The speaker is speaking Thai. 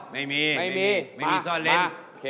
ไม่มีไม่มีซ่อนเล้น